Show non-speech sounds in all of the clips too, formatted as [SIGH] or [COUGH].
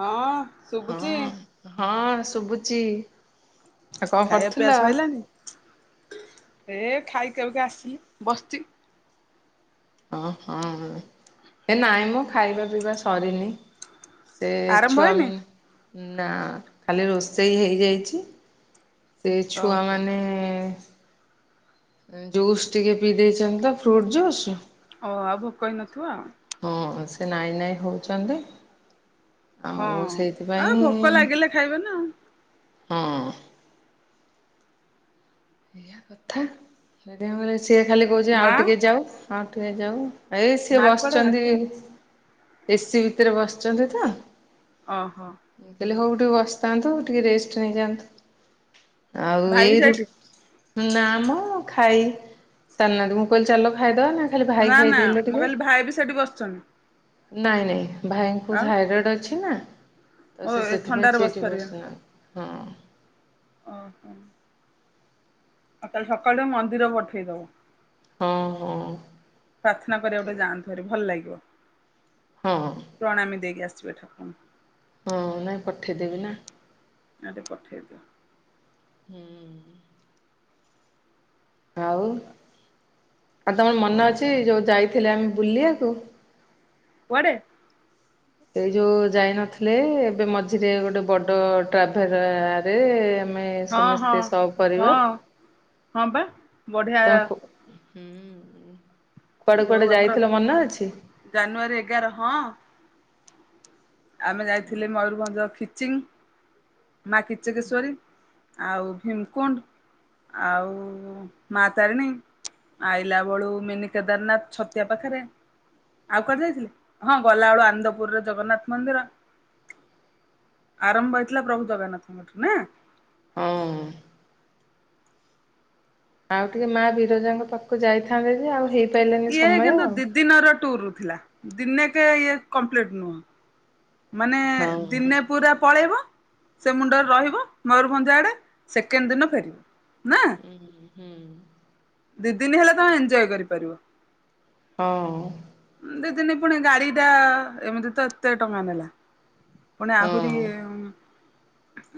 ହଁ ଶୁଭୁଛି। ହଁ ହଁ ଶୁଭୁଚି ଆଉ କଣ ଖାଇବା ପିଇବା କରୁଥିଲ? ସଇଲାଣି? ଏ ଖାଇକିକୁ ଆସିଲି ବସି। ଓ ହଁ ଏ ନାଇଁ ମୁଁ ଖାଇବା ପିଇବା ସରିନି। ସେ ଆରମ୍ଭ ଛୁଆ ହେଇନି? ମାନେ ନା ଖାଲି ରୋଷେଇ ହେଇଯାଇଛି। ସେ ଓହୋ ଛୁଆମାନେ? ଜୁସ୍ ଟିକେ ପିଇ ଦେଇଛନ୍ତି ତ ଫ୍ରୁଟ ଜୁସ୍। ଓହ ଆଉ ଭୋକ ହେଇନଥିବ ଆଉ? ହଁ ସେ ନାଇଁ ନାଇଁ ହଉଛନ୍ତି। ଆଉ ହଁ ଆଉ ସେଇଥିପାଇଁ ଭୋକ ଲାଗିଲେ ଖାଇବେ ନା ହଁ। ଏଇଆ କଥା ଯଦିଁ କ ସିଏ ଖାଲି କହୁଛି ଆଉ ମା ଟିକେ ଯାଉ ଆଉ ଟିକେ ଯାଉ। ଏଇ ସିଏ ମା କୁଆଡେ ଗଲା ବସିଛନ୍ତି ଏସି ଭିତରେ ବସିଛନ୍ତି ତ। ଓହୋ। କହିଲେ ହଉ ଟିକେ ବସିଥାନ୍ତୁ ଟିକେ ରେଷ୍ଟ ନେଇଯାଆନ୍ତୁ ଆଉ ଭାଇ ବି ଏଇ ସେଇଠି ନା ଆମ ଖାଇ ଚାଲନାହାନ୍ତି ମୁଁ କହିଲି ଚାଲ ଖାଇଦବା ନା ଖାଲି ଭାଇ ନା ନା ଖାଇଦେଲେ ମୋ ଟିକେ କାଲି ଭାଇ ବି ସେଠି ବସିଛନ୍ତି। ନାଇଁ ନାଇଁ ଭାଇଙ୍କୁ ଆଉ ଥାଇରଏଡ ଅଛି ନା ଓ ତ ସେ ଏ ସେଥିପାଇଁ ଥଣ୍ଡାରେ ବସି ସେଠି ପାରିବେନି ବସିନାହାନ୍ତି। ହଁ। ଓହୋ। ଆଉ ତାଲେ ସକାଳୁ ମନ୍ଦିର ପଠେଇ ଦବ ହଁ ହଁ ପ୍ରାର୍ଥନା କରିବା ଗଟେ ପଠେଇଦେବି ଯାଆନ୍ତୁ। ଘରେ ଭଲ ଲାଗିବ। ହଁ ହଁ। ପ୍ରଣାମୀ ଦେଇକି ଆସିବେ ଠାକୁରଙ୍କୁ। ହଁ ନାଇଁ ପଠେଇଦେବି ନା। କାଲି ପଠେଇ ଦଵ। [UNINTELLIGIBLE] ଆଉ ଆଉ ତମର ମନ ଅଛି ଯୋଉ ଯାଇଥିଲେ ଆମେ ବୁଲିବାକୁ। କୁଆଡେ? ଏଇ ଯୋଉ ଯାଇ ନଥିଲେ ଏବେ ମଝିରେ ଗୋଟେ ବଡ ଟ୍ରାଭେର ରେ। ଆମେ ହଁ ହଁ ସମସ୍ତେ ସବ ପରିବାର ହଁ ହଁ ବା ବଢିଆ ତମ ହୁଁ କୁଆଡେ ଯୋଉ କୁଆଡେ ଆମର ଯାଇଥିଲ ମନେ ଅଛି? ଜାନୁଆରୀ ଏଗାର ହଁ। ଆମେ ଯାଇଥିଲେ ମୟରଭଞ୍ଜ ଖିଚିଙ୍ଗ। ମା କିଚକେଶ୍ଵରୀ ଆଉ ଭୀମକୁଣ୍ଡ ଆଉ ମା ତାରିଣୀ ଆଇଲା ବେଳୁ ମିନି କେଦାରନାଥ ଛତିଆ ପାଖରେ ଆଉ କୁଆଡେ ଯାଇଥିଲି ହଁ ଗଲାବେେଳୁ ଆନ୍ଦପୁର ଜଗନ୍ନାଥ ମନ୍ଦିର ଆରମ୍ଭ ହେଇଥିଲାଥିଲା ପ୍ରଭୁ ଜଗନ୍ନାଥଙ୍କ ନା ହଁ। ଆଉ ଟିକେ ମା ବିରଜାଙ୍କ ପାଖକୁ ଯାଇଥାନ୍ତେ ଯେ ଆଉ ହେଇ ଇଏ କିନ୍ତୁ ଦି ଦିନର ଟୁର ଥିଲା ଦିନେକ ଇଏ କମ୍ପ୍ଲିଟ ନୁହଁ। ମାନେ ହଁ ଦିନେ ପୁରା ପଳେଇବ ସେ ମୁଣ୍ଡରେ ରହିବ ମୟୂରଭଞ୍ଜ ଆଡେ ସେକେଣ୍ଡ ଦିନ ଫେରିବ ନା। ହୁଁ ହୁଁ। ଦି ଦିନ ହେଲା ତମେ ଏଞଜୟ କରିପାରିବ। ହଁ। ଦିଦିନି ପୁଣି ଗାଡି ଟା ଏମିତି ତ ଏତେ ଟଙ୍କା ନେଲା। ପଣି ଆହୁରି ହଁ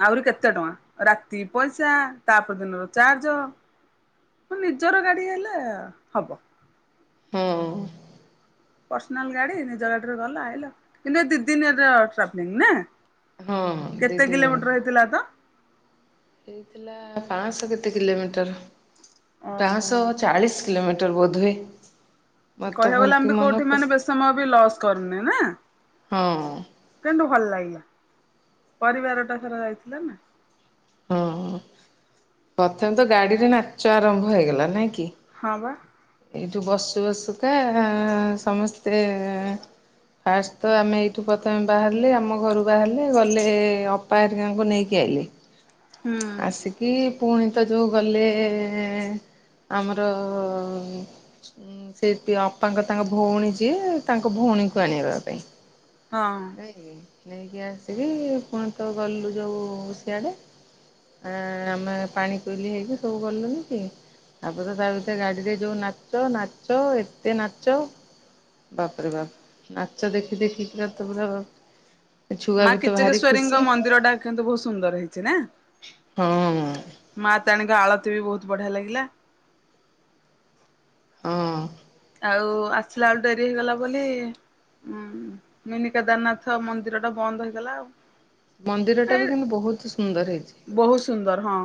ଆହୁରି କେତେ ଟଙ୍କା ରାତି ପଇସା ତାପ ଦିନର ଚାର୍ଜ ତ ନିଜର ଗାଡି ହେଲେ ହବ। ହଁ। ପର୍ସନାଲ ଗାଡି ନିଜ ଗାଡିରେ ଗଲା ଆଇଲ କିନ୍ତୁ ଏ ଦି ଦିନର ଟ୍ରାଭେଲିଙ୍ଗ ନା? ହଁ ଦି କେତେ ଦିନ କିଲୋମିଟର ହେଇଥିଲା ତ? ହେଇଥିଲା ପାଞ୍ଚଶହ କେତେ କିଲୋମିଟର ଓହୋ। ପାଞ୍ଚଶହ ଚାଳିଶ କିଲୋମିଟର ବୋଧହୁଏ। ମତେ କହିବାକୁ ଗଲେ ଭଲକି ଆମେ ମନେ କୋଉଠି ମାନେ ପଡୁନି ବେସି ସମୟ ବି ଲସ୍ କରିନେ ନା? ହଁ। କିନ୍ତୁ ଭଲ ଲାଗିଲା, ପରିବାର ଟା ସାରା ଯାଇଥିଲା ନା। ହଁ ପ୍ରଥମେ ତ ଗାଡିରେ ନାଚ ଆରମ୍ଭ ହେଇଗଲା ନାଇଁ କି? ହଁ ବା। ଏଇଠୁ ବସୁ ବସୁକା ସମସ୍ତେ ଫାଷ୍ଟ ତ ଆମେ ଏଇଠୁ ପ୍ରଥମେ ବାହାରିଲେ ଆମ ଘରୁ ବାହାରିଲେ ଗଲେ ଅପାହାରରିକାଙ୍କୁ ନେଇକି ଆଇିଲେ। ହୁଁ ଆସିକି କି ପୁଣି ତ ଯେଉଁ ଗଲେ ଆମର ହୁଁ। ସେ ଅପାଙ୍କ ତାଙ୍କ ଭଉଣୀ ଯିଏ ତାଙ୍କ ଭଉଣୀକୁ ଆଣିବା ପାଇଁ। ହଁ। ନାଇ ନେଇକି ଆସିବି ପୁଣି ତ ଗଲୁ ଯୋଉ ସିଆଡ଼େ। ଆ ଆମେ ପାଣି କୋଇଲି ହେଇକି ସବୁ ଗଲୁନି କି? ତାପ ତ ତା ଭିତରେ ଗାଡିରେ ଯୋଉ ନାଚ ନାଚ ଏତେ ନାଚ। ବାପରେ ବାପ ନାଚଚା ଦେଖି ଦେଖି କି ତ ବଲା ବା। ମା କିଚକେଶ୍ଵରୀଙ୍କ ମନ୍ଦିର ଟା କିନ୍ତୁ ବହୁତ ସୁନ୍ଦର ହେଇଛି ନା। ହଁ। ମା ତତାାରଣୀଙ୍କ ଆଳତି ବି ବହୁତ ବଢିଆ ଲାଗିଲା। ହଁ। ଆଉ ଆସିଲା ବେଳୁ ଡେରି ହେଇଗଲା ବୋଲି। ହୁଁ ମିନିକଦାରନାଥ ମନ୍ଦିର ଟା ବନ୍ଦ ହେଇଗଲା ଆଉ। ମନ୍ଦିର ଟା ଏ ବି କିନ୍ତୁ ବହୁତ ସୁନ୍ଦର ହେଇଛି। ବହୁତ ସୁନ୍ଦର ହଁ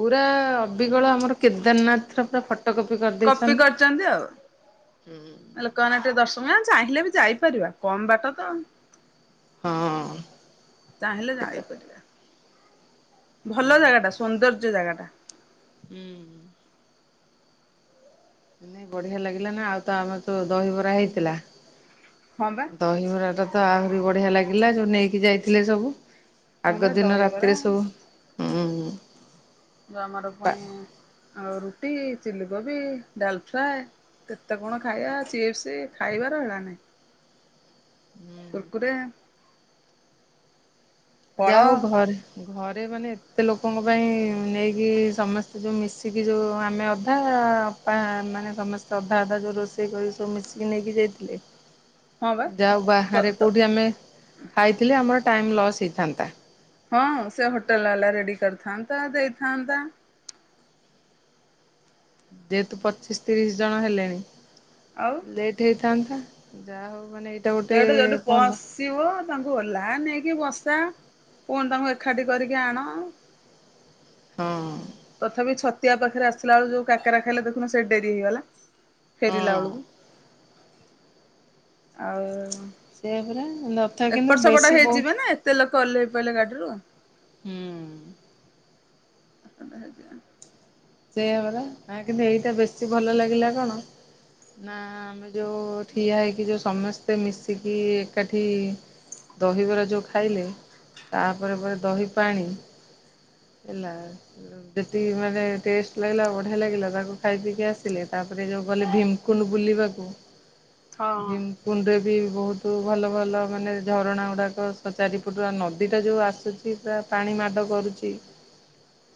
ପୁରା ଅବଗଳ ଆମର କେଦାରନାଥ ର ପୁରା ଫଟୋ ପଟକୋପି କପି କରିଛନ୍ତି ଆଉ। କରିଦେଇଛନ୍ତି। ଲୋକମାନେ ଟିକେ ଦର୍ଶକ ଚାହିଁଲେ ବି ଯାଇପାରିବା କମ ବାଟ ତ। ହଁ ଚାହିଁଲେ କେତେ ଯାଇ ପାରିବା। ହଁ ଭଲ ଜାଗା ଟା ସୌନ୍ଦର୍ଯ୍ୟ ଜାଗା ଟା। ହୁଁ। ନାଇ ବଢିଆ ଲାଗିଲା ନା ଆଉ ତ ଆମର ତ ଦହିବରା ହେଇଥିଲା। ହଁ ବା। ଦହିବରା ଟା ତ ଆହୁରି ବଢିଆ ଲାଗିଲା। ଯୋଉ ନେଇକି ଯାଇଥିଲେ ସବୁ। ହଁ ଆଗ ବା ଦିନ ଦହିବରା ରାତିରେ ସବୁ ହୁଁ। ଯଉ ଆମର ପା ପୁଣି ଆ ରୁଟି ଚିଲି କୋବି ଡାଲ ଫ୍ରାଏ। କେତେ କଣ ଖାଇବା ଚିପ୍ସ ଖାଇବାର ହେଳା ନାଇଁ। କୁର୍କୁରି। ଫଳ ଯା ହଉ ଘରେ। ଘରେ ମାନେ ଏତେ ଲୋକଙ୍କ ପାଇଁ ନେଇକି ସମସ୍ତେ ଯେଉଁ ମିଶିକି ଯେଉଁ ଆମେ ଅଧା ବାପା ମାନେ ସମସ୍ତେ ଅଧା ଅଧା ଯୋଉ ରୋଷେଇ କରିକି ସବୁ ମିଶିକି ନେଇକି ଯାଇଥିଲେ। ହଁ ବା ଯାଉ ତ ବାହାରେ ତ କୋଉଠି ଆମେ ଖାଇଥିଲେ ଆମର ଟାଇମ ଲସ୍ ହେଇଥାନ୍ତା। ହଁ ସେ ହୋଟେଲ ବାଲା ରେଡି କରିଥାନ୍ତା ଦେଇଥାନ୍ତା। ଯେହେତୁ ପଚିଶ ତିରିଶ ଜଣ ହେଲେଣି। ଆଉ ଲେଟ୍ ହେଇଥାନ୍ତା। ଯାହା ହଉ ମାନେ ଏଇଟା ଗୋଟେ ଭଲ। ଶିିବ ତାଙ୍କୁ ଓଲା ନେଇକି ବସା ପୁଣି ତାଙ୍କୁ ଏକାଠି କରିକି ଆଣ। ହଁ। ତଥାପି ଛତିଆ ପାଖରେ ଆସିଲା ବେଳୁ ଯୋଉ କାକରା ଖାଇଲେ ଦେଖୁ ସେ ଡେରି ହେଇଗଲା। ଫେରିଲା ହଁ ବେଳକୁ। ଆଉ ସେଇଆ ପରା ନଥା କିନ୍ତୁ ବେଶୀ ବହୁତ ତେଲ କଲ ଓଲେହି ପଇଲେ ଗାଡିରୁ। ହୁଁ। ଆ-ଆ ଆଜ୍ଞା। ସେଇଆ ବରା ନା କିନ୍ତୁ ଏଇଟା ବେଶୀ ଭଲ ଲାଗିଲା କଣ ନା ଆମେ ଯେଉଁ ଠିଆ ହେଇକି ଯେଉଁ ସମସ୍ତେ ମିଶିକି ଏକାଠି ଦହିବରା ଯେଉଁ ଖାଇଲେ ତାପରେ ପରେ ଦହି ପାଣି ହେଲା ଯଦି ମାନେ ଟେଷ୍ଟ ଲାଗିଲା ବଢିଆ ଲାଗିଲା। ତାକୁ ଖାଇ ପିକି ଆସିଲେ। ତାପରେ ଯେଉଁ ଗଲେ ଭିମ୍ କୁଣ୍ଡ ବୁଲିବାକୁ। ହଁ ଡିମ୍ କୁଣ୍ଡରେ ବି ବହୁତ ଭଲ ଭଲ ମାନେ ଝରଣା ଗୁଡାକ ଚାରିପଟ ନଦୀ ଟା ଯୋଉ ଆସୁଛି। କିବା ପାଣି ମାଡ କରୁଛି।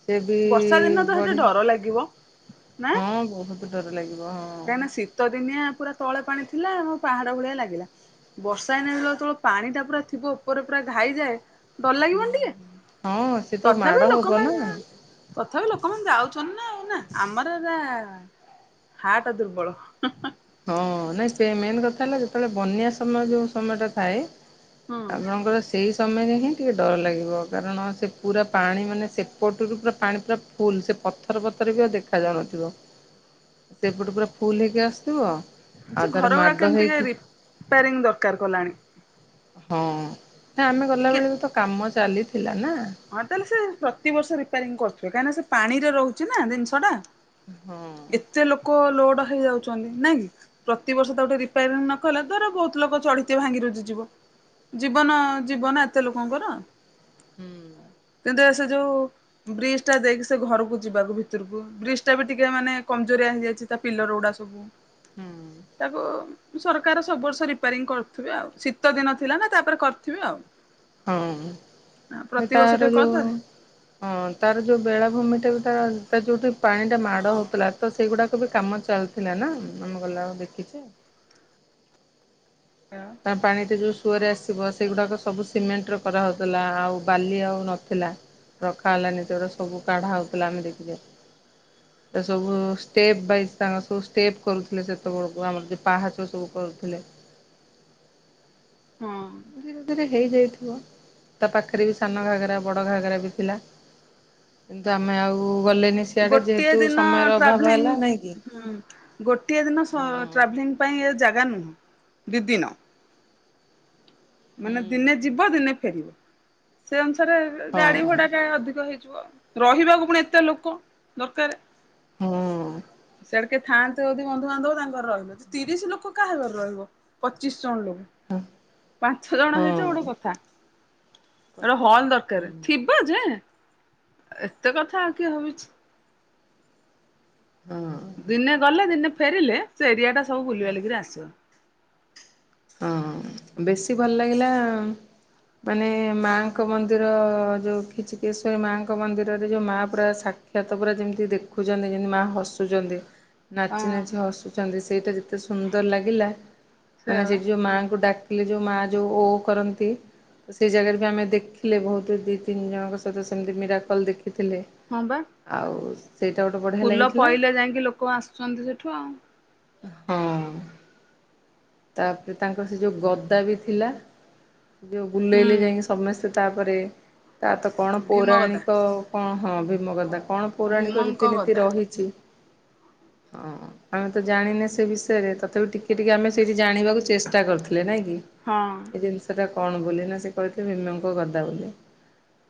ସେ ବି ବର୍ଷା ଦିନ ତ ସେଠି ବଢିଆ। ଡର ଲାଗିବ। ନା ହଁ ବହୁତ ଡର ଲାଗିବ ହଁ। କାହିଁକିନା ଶୀତ ଦିନିଆ ପୁରା ତଳେ ପାଣି ଥିଲା। ଆମ ପାହାଡ ଭଳିଆ ଲାଗିଲା। ବର୍ଷା ହେଇ ନଥିଲା। ଯେତେବେଳେ ପାଣି ଟା ପୁରା ଥିବ ଉପରେ ପୁରା ଘାଇଯାଏ। ଡର ଲାଗିବନି ଟିକେ। ହଁ ସେ ତ ମାଡ଼ ତଥାପି ହବ ଲୋକମାନେ ନା। ତଥାପି ଲୋକମାନେ ଯାଉଛନ୍ତି ନା। ନା ଆମର ଏରା ହାଟ ଦୁର୍ବଳ। ହଁ ନାଇଁ ପେ ମେନେ କଥା ହେଲା ଯେତେବେଳେ ବନ୍ୟା ସମୟ ଯୋଉ ସମୟ ଟା ଥାଏ। ହୁଁ ଆପଣଙ୍କର ଶ ସେଇ ସମୟରେ ହିଁ ଟିକେ ଡର ଲାଗିବ। କାରଣ ସେ ପୁରା ପାଣି ମାନେ ସେପଟରୁ ପୁରା ପାଣି ପୁରା ଫୁଲ ସେ ପଥର ପଥର ବି ଆଉ ଦେଖା ଯାଉନଥିବ। ସେପଟେ ପୁରା ଫୁଲ ହେଇକି ଆସ ଥିବ ଆଉ ତାରେ ମାଡ ହେଇକି ରିପ୍ୟାରିଂ ଦରକାର କଲାଣି। ହଁ ନା ଆମେ ଗଲା ଟିକେ ବେଳେକୁ ତ କାମ ଚାଲିଥିଲା ନା। ହଁ ତାହେଲେ ସେ ପ୍ରତିବର୍ଷ ରିପାରିଂ କରୁଥିବେ। କାହିଁକିନା ସେ ପାଣିରେ ରହୁଛି ନା ଜିନିଷ ଟା। ହଁ। ଏତେ ଲୋକ ଲୋଡ ହେଇଯାଉଛନ୍ତି। ନାଇଁ କି? ପ୍ରତିିବର୍ଷ ତାକୁ ଟିକେ ରିପାରିଂ ନ କଲେ ଧର ବହୁତ ଲୋକ ଚଢ଼ିଥିବେ ଭାଙ୍ଗି ରୁଜି ଯିବ। ଜୀବନ ଜୀବ ନା ଏତେ ଲୋକଙ୍କର। ହୁଁ। [UNINTELLIGIBLE] ସେ ଯଉ ବ୍ରିଜ ଟା ଦେଇକି ସେ ଘରକୁ ଯିବାକୁ ଭିତରକୁ, ବ୍ରିଜ ଟା ବି ଟିକେ ମାନେ କମଜୋରିଆ ହେଇଯାଇଚି ତା ପିଲର ଗୁଡା ସବୁ। [INAUDIBLE] ହୁଁ। ତାକୁ ସରକାର ସବୁ ବର୍ଷ ରିପାରିଙ୍ଗ କରୁଥିବେ ଆଉ। ଶୀତ ଦିନ ଥିଲା ନା ତାପରେ କରିଥିବେ ଆଉ। ହଁ। ଏବେ ପ୍ରତିବର୍ଷ ତାର ଟିକେ ଯୋଉ କରିଦେଲେ ହଁ ତାର ଯୋଉ ବେଳାଭୂମି ଟା ବି ତା ତାର ଯୋଉଠି ପାଣି ଟା ମାଡ ହଁ। ହଉଥିଲା ତ ସେଇଗୁଡାକ ବି କାମ ଚାଲିଥିଲା ନା ଆମେ ଗଲା ବେଳେ ଦେଖିଚୁ। ହଁ। ତା ପାଣିରେ ଯୋଉ ସୁଅରେ ଆସିବ, ସେଗୁଡାକ ସବୁ ସିମେଣ୍ଟରେ କରାହେଉଥିଲା ଆଉ ବାଲି ଆଉ ନଥିଲା। ରଖା ହେଲାନି ସେଗୁରା ସବୁ କାଢା ହଉଥିଲା ଆମେ ଦେଖିକି ଆସି ସେ ସବୁ ଷ୍ଟେପ୍ ବାଇଜ୍ ତାଙ୍କର ସବୁ ଷ୍ଟେପ୍ କରୁଥିଲେ ସେତେବେଳକୁ, ଆମର ଯୋଉ ପାହାଚ ସବୁ କରୁଥିଲେ। ହଁ। ଧୀରେ ଧୀରେ ହେଇଯାଇଥିବ। ତା ପାଖରେ ବି ସାନ ଘାଗରା ବଡ ଘାଗରା ବି ଥିଲା। କିନ୍ତୁ ଆମେ ଆଉ ଗଲେନି ସିଆଡେ ଗୋଟିଏ ଯେହେତୁ ଦିନ ସମୟର ଅଭାବ ଟ୍ରାଭେଲିଂ ହେଲା ନାଇଁ କି? ହୁଁ ଗୋଟିଏ ଦିନ ସ ହଁ ଟ୍ରାଭେଲିଂ ପାଇଁ ଏ ଜାଗା ନୁହଁ। ଦି ଦିନ। ମାନେ ହୁଁ। ଦିନେ ଯିବ ଦିନେ ଫେରିବ। ସେ ଅନୁସାରେ ହଁ ଗାଡି ହଁ ଭଡାଟା ଅଧିକ ହେଇଯିବ ଆଉ। ରହିବାକୁ ପୁଣି ଏତେ ଲୋକ ଦରକାର। ହଁ। ସିଆଡେ କିଏ ଥାନ୍ତେ ଯଦି ବନ୍ଧୁବାନ୍ଧବ ତାଙ୍କ ଘରେ ରହିଲ। ତିରିଶି ଲୋକ କାହା ଘରେ ରହିବ। ପଚିଶ୍ ଜଣ ଲୋ ପାଞ୍ଚ ଜଣ ହେଇଚ ଗୋଟେ ହୁଁ। କଥା। ଗୋଟେ ହଲ୍ ଦରକାର। ଥି ବ ଯେ, ଏତେ କଥା ଆଉ କିଏ ଭାବିଚି। ହଁ। ଦିନେ ଗଲେ ଦିନେ ଫେରିଲେ ସେ ଏରିଆ ଟା ସବୁ ବୁଲିବାଲିକିରି ଆସିବ। ହଁ ହଁ। ବେଶୀ ଭଲ ଲାଗିଲା ମାନେ ମାଙ୍କ ମନ୍ଦିର ଯୋଉ ଖିଚିକେଶ୍ଵରୀ ମାଙ୍କ ମନ୍ଦିରରେ ଯୋଉ ମା ପୁରା ସା କ୍ଷାତ ପୁରା ଯେମିତି ଦେଖୁଚନ୍ତି ଯେମିତି ମାଆ ହସୁଚନ୍ତି। ନାଚି ନାଚି ହଁ ହସୁଚନ୍ତି ସେଇଟା ଯେତେ ସୁନ୍ଦର ଲାଗିଲା ମାନେ ସେୟା ବା ସେଠି ଯୋଉ ମାଆଙ୍କୁ ଡାକିଲେ ଯୋଉ ମାଆ ଯୋଉ ଓ କରନ୍ତି ସେଇ ଜାଗାରେ ବି ଆମେ ଦେଖିଲେ ବହୁତ ଦି ତିନି ଜଣଙ୍କ ସହିତ ସେମିତି ମୀରାକଲ୍ ଦେଖିଥିଲେ। ହଁ ବା। [UNINTELLIGIBLE] ସେଇଟା ଗୋଟେ ବଢ଼ିଆ ଫୁଲ ଲାଗିଥିଲା ପଇଲେ ଯାଇଁକି ଲୋକ ଆସୁଛନ୍ତି ସେଠୁ ଆଉ। ହଁ। ତାପରେ ତାଙ୍କର ସେ ଯୋଉ ଗଦା ବି ଥିଲା, ଯୋଉ ବୁଲେଇଲେ ଯାଇଁକି ହୁଁ। ସମସ୍ତେ ତାପରେ ତାର ତ କଣ ଭୀମ ଗଦା ପୌରାଣିକ କଣ ହଁ ଭୀମଗଦା। କଣ ପୌରାଣିକ ଭୀମଙ୍କ ରୀତିନୀତି ଗଦା। ରହିଚି। ହଁ, ଆମେ ତ ଜାଣିନେ ସେ ବିଷୟରେ ତଥାପି ଟିକେ ଟିକେ ଆମେ ସେଇଠି ଜାଣିବାକୁ ଚେଷ୍ଟା କରିଥିଲେ ନାଇଁ କିି। ହଁ। ଏଇ ଜିନିଷ ଟା କଣ ବୋଲି ନା ସେ କହିିଥିଲେ ଭୀମଙ୍କ ଗଦା ବୋଲି।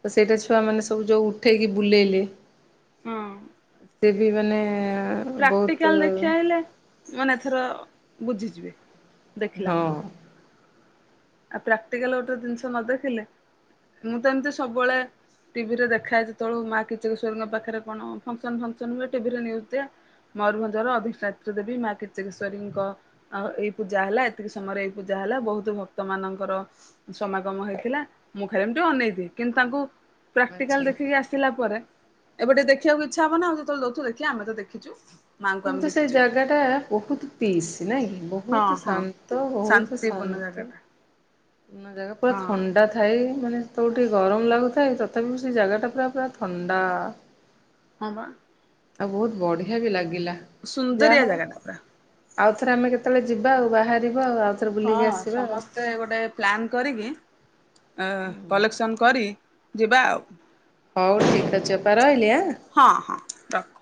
ତ ସେଇଟା ଛୁଆମାନେ ସବୁ ଯୋଉ ଉଠେଇକି ବୁଲେଇଲେ ହଁ। ସେ ବି ମାନେ ବହୁତ ପ୍ରାକ୍ଟିକାଲ ଦେଖି ହେଲେ ମାନେ ଏଥର ବୁଝିଯିବେ ଦେଖିଲା ହଁ ମାନେ। ଆ ପ୍ରାକ୍ଟାଲ ଗୋଟେ ଜିନିଷ ନ ଦେଖିଲେ ମୁଁ ତ ଏମିତି ସବୁବେଳେ ଟିଭି ରେ ଦେଖା ଯ ଯେତ ତବେଳେ ମା କିଵରୀ ପାଖରେ କଣ ଫସନ ଫସନ ହୁଏ ଟିଭିରେୁଜ ଦ ମୟୂଭଞ୍ଜର ଅଧିକ ନେତ୍ର ଦେବୀ ମା କେତକେଶ୍ୱରୀଙ୍କ ଆଉ ଏଇ ପୂଜା ହେଲା ଏତିକି ସମୟରେ ଏଇ ପୂଜା ହେଲା ବହୁତ ଭକ୍ତ ଭତ ମାନଙ୍କର ସମାଗମ ହେଇଥିଲା ମୁଁ ଖାଲି ମୁ ଟିକ ଅନେଇଥିଲି କିନ୍ତୁ ତାଙ୍କୁ ପ୍ରାକ୍ଟିକାଲ ଆଚ୍ଛା। ଦେଖିକି ଆସିଲା ପରେ ଏବେ ଟିକେ ଦେଖିବାକୁ ଇଚଛ ହବ ଆଉ ଯେତେବେଳେଉୁ ଦେଖିବା ଆମେ ତ ଦେଖଛୁ କିନ୍ତୁ ସେ ଜାଗା ଟା ବହୁତ ପିସ୍ ନାଇଁ କି ହଁ ବହୁତ ହଁ ଶାନ୍ତ ବହୁତ ଶାନ୍ତିପୂର୍ଣ୍ଣ ଶାନ୍ତି। ଜାଗାଟା ନା ଜାଗା ପୁରା ହଁ ଥଣ୍ଡା ଥାାଇ ମାନେ ତ ଟିକିେ ଗରମ ଲାଗୁଥାଏ ତଥାପି ସେ ଜାଗାଟା ପୁରା ପୁରା ଥଣ୍ଡା ହବା। ଆଉ ବହୁତ ବଢିଆ ବି ଲାଗିଲା। ଯାହା ସୁନ୍ଦର ହଉ ଜାଗା ଟା ପୁରା। ଆଉଥରେ ଆମେ କେତେବେଳେ ଯିବା ଆଉ ବାହାରିବା ଆଉ ଆଉ ଆଉଥରେ ହଁ ବୁଲିକି ଆସିବା ସମସ୍ତେ ଗୋଟେ ପ୍ଲାନ୍ କରିକି କଲେକ୍ସନ କରି ଯିବା ଆଉ। ହଉ ଠିକ୍ ଅଛି ଅପା ରହିଲି ଆଁ। ହଁ ହଁ। ରଖ।